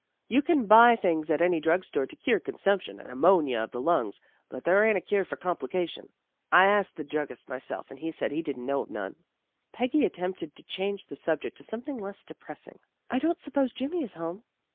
You can buy things at any drug store to cure consump tion and amonia of the lungs, but there ain't a cure for complication. I ast the druggist myself and he said he didn't know of none." Peggy attempted to change the subject to something less depressing. " I don't suppose Jimmy is home?